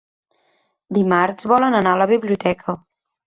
Dimarts volen anar a la biblioteca.